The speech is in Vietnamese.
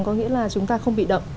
có nghĩa là chúng ta không bị đậm